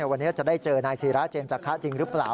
วันนี้จะได้เจอนายศิราเจนจักษะจริงหรือเปล่า